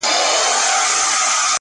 شیرنۍ ته ریسوت وایې ډېر ساده یې,